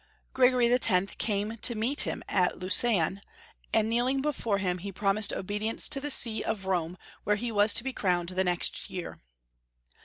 Gregory X. came to meet him at Lausanne, and kneeling before him, he promised obedience to the See of Rome, where he was to be crowned the next year.